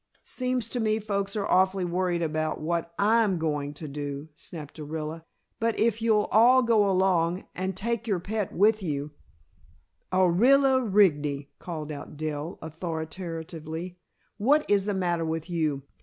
"Seems to me folks are awfully worried about what I'm going to do," snapped Orilla. "But if you'll all go along and take your pet with you " "Orilla Rigney!" called out Dell authoritatively. "What is the matter with you?